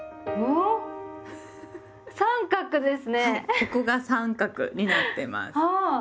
ここが三角になってます。